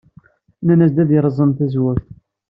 Nnan-as ad yerẓem tazewwut.